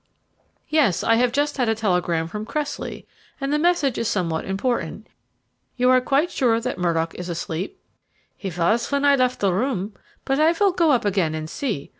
"Yes; I have just had a telegram from Cressley, and the message is somewhat important. You are quite sure that Murdock is asleep?" "He was when I left the room, but I will go up again and see.